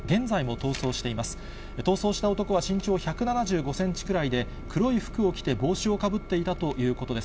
逃走した男は身長１７５センチくらいで、黒い服を着て帽子をかぶっていたということです。